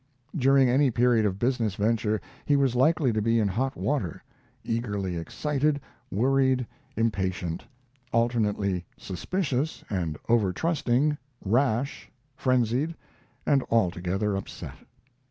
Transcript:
During any period of business venture he was likely to be in hot water: eagerly excited, worried, impatient; alternately suspicious and over trusting, rash, frenzied, and altogether upset.